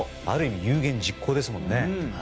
ある意味有言実行ですもんね。